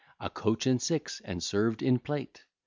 A coach and six, and served in plate!